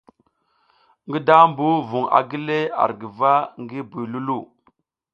Ngi dambu vung a gile ar guva ngi buy Loulou.